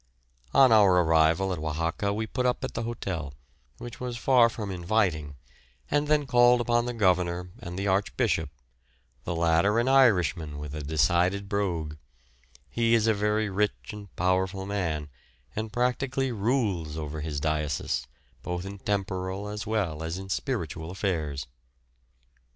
On our arrival at Oaxaca we put up at the hotel, which was far from inviting, and then called upon the governor and the archbishop, the latter an Irishman with a decided brogue; he is a very rich and powerful man, and practically rules over his diocese, both in temporal as well as in spiritual affairs.